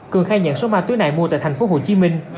cường khai nhận số ma túy này mua tại thành phố hồ chí minh